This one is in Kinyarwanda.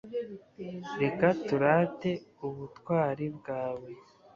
reka turate ubutwari bwawe